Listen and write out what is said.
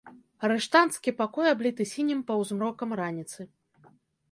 Арыштанцкі пакой абліты сінім паўзмрокам раніцы.